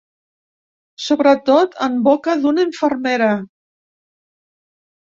Sobretot en boca d'una infermera.